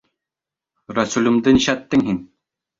Рәсүлемде нишләттең һин?